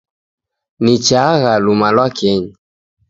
Nichagha luma lwa kenyi